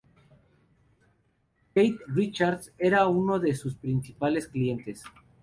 Keith Richards era uno de sus principales clientes.